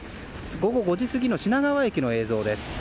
午後５時過ぎの品川駅の映像です。